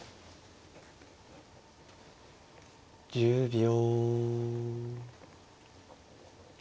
１０秒。